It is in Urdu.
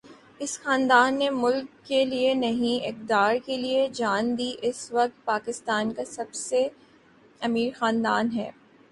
اس خاندان نے ملک کے لیے نہیں اقتدار کے لیے جان دی اس وقت پاکستان کا سب سے امیر خاندان ہے